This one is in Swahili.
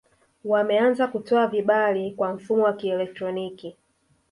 Wameanza kutoa vibali kwa kutumia mfumo wa kielektroniki